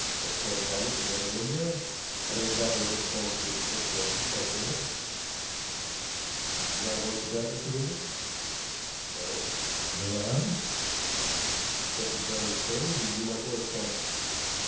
I have correspondents in Northern India, and it was not very difficult to get this information by cable. You do not know Tibet, Mr. Wigan?" "No." "Nor I, except from travelers' tales and through my correspondents.